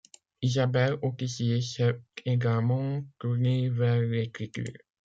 Isabelle Autissier s'est également tournée vers l'écriture.